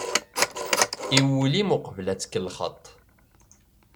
I wul-im uqbel ad tkellxeḍ-t.